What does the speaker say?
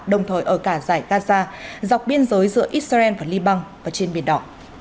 đồng thời ở cả giải gaza dọc biên giới giữa israel và liban và trên biển đỏ